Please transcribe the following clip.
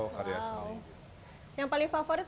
karya sendiri yang paling favorit